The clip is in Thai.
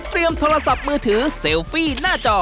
เตรียมโทรศัพท์มือถือซีลฟี่หน้าจอ